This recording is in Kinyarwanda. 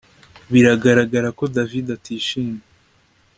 Biragaragara ko David atishimye